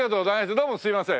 どうもすいません。